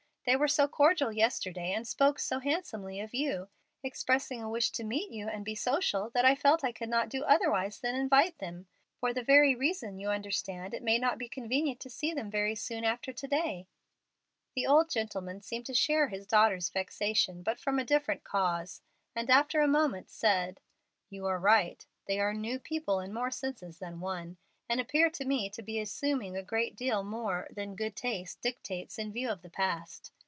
They were so cordial yesterday, and spoke so handsomely of you, expressing a wish to meet you and be social, that I felt that I could not do otherwise than invite them. For reasons you understand it may not be convenient to see them very soon after to day." The old gentleman seemed to share his daughter's vexation, but from a different cause, and after a moment said, "You are right; they are 'new people' in more senses than one, and appear to me to be assuming a great deal more than good taste dictates in view of the past.